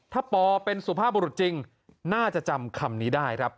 ถ้าปอเป็นสุภาพบุรุษจริงน่าจะจำคำนี้ได้ครับ